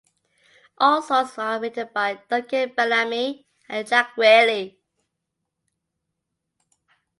All songs are written by Duncan Bellamy and Jack Wyllie.